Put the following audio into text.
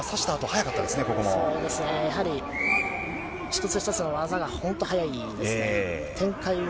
やはり一つ一つの技が本当、速いです。